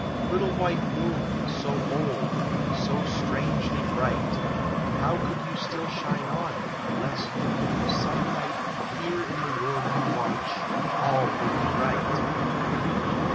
Little white Moon! So old, so strangely bright How could you still shine on, unless you knew some night Here in the world you watch, all would be right!